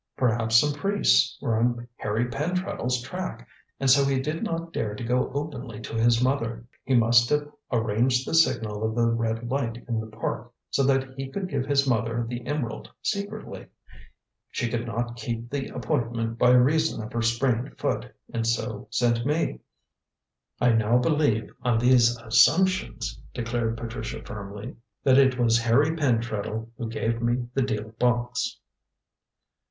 Perhaps some priests were on Harry Pentreddle's track, and so he did not dare to go openly to his mother. He must have arranged the signal of the red light in the Park, so that he could give his mother the emerald secretly. She could not keep the appointment by reason of her sprained foot, and so sent me. I now believe, on these assumptions," declared Patricia firmly, "that it was Harry Pentreddle who gave me the deal box."